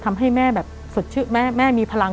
แต่ขอให้เรียนจบปริญญาตรีก่อน